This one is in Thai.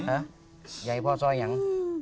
อยากให้พ่อช่วยอย่าง